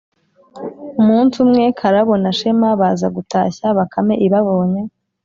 umunsi umwe, karabo na shema baza gutashya, bakame ibabonye,